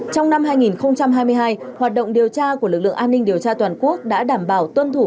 trong năm hai nghìn hai mươi hai hoạt động điều tra của lực lượng an ninh điều tra toàn quốc đã đảm bảo tuân thủ